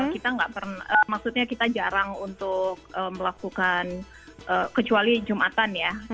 kita nggak pernah maksudnya kita jarang untuk melakukan kecuali jumatan ya